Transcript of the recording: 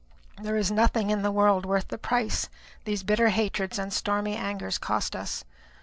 There is nothing in the world worth the price these bitter hatreds and stormy angers cost us.